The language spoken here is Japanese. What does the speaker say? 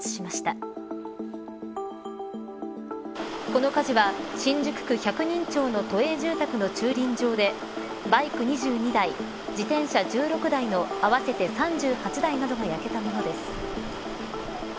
この火事は新宿区百人町の都営住宅の駐輪場でバイク２２台自転車１６台の合わせて３８台などが焼けたものです。